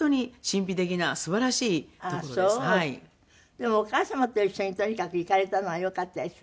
でもお母様と一緒にとにかく行かれたのはよかったですよね。